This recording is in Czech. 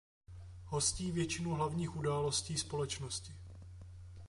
Hostí většinu hlavních událostí společnosti.